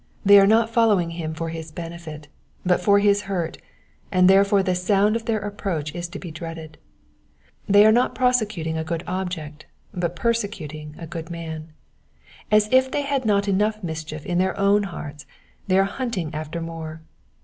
They are not following him for his benefit, but for his hurt, and therefore the sound of their approach is to be dieaded. They are not prosecuting a good object, but persecuting a good man. As if they had not enough mischief in their own hearts, they aie hunting after more.